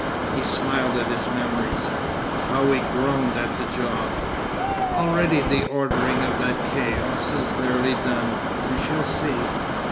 He smiled at his memories. 'How we groaned at the job!' 'Already the ordering of that chaos is nearly done. You shall see.